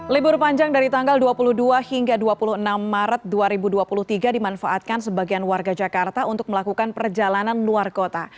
libur panjang dari tanggal dua puluh dua hingga dua puluh enam maret dua ribu dua puluh tiga dimanfaatkan sebagian warga jakarta untuk melakukan perjalanan luar kota